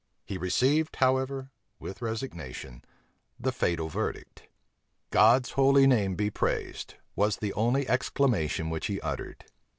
He received, however, with resignation, the fatal verdict. "God's holy name be praised," was the only exclamation which he uttered.